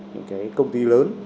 những cái công ty lớn